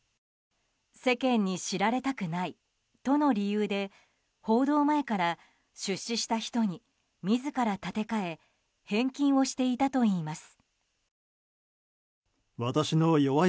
世間に知られたくないとの理由で報道前から出資した人に自ら立て替え返金をしていたといいます。